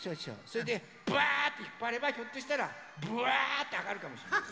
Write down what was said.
それでブワーっとひっぱればひょっとしたらブワーってあがるかもしれない。